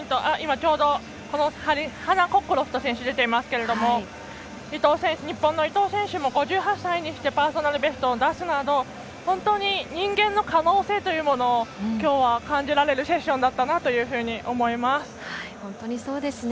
ちょうどハンナ・コックロフト選手が出ていますが伊藤選手も５８歳にしてパーソナルベストを出すなど本当に人間の可能性を今日は感じられるようなセッションだったなと思います。